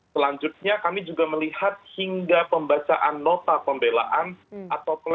selanjutnya kami juga melihat hingga pembacaan nota pembelaan